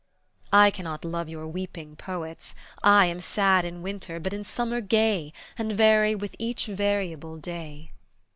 I cannot love your weeping poets; I Am sad in winter, but in summer gay, And vary with each variable day.